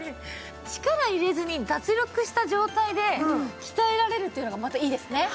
力を入れずに脱力した状態で鍛えられるっていうのがまたいいですね。